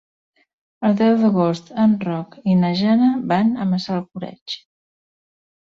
El deu d'agost en Roc i na Jana van a Massalcoreig.